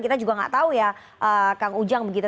kita juga nggak tahu ya kang ujang begitu